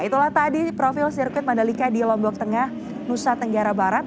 itulah tadi profil sirkuit mandalika di lombok tengah nusa tenggara barat